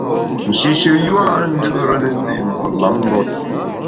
Nshéshe yua a ndù’re ne ndi’ mo’ lamngôt.